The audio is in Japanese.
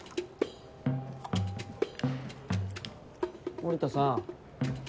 森田さん。